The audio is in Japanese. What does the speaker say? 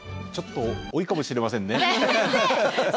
ちょっと多いかもしれませんね。